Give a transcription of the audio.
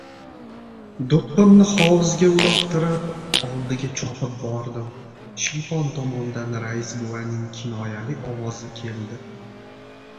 Do‘ppimni hovuzga uloqtirib, oldiga chopib bordim. Shiypon tomondan Rais buvaning kinoyali ovozi keldi.